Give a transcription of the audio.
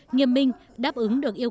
nghiêm minh đáp ứng được yêu cầu